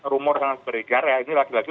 rumor sangat beredar ya ini lagi lagi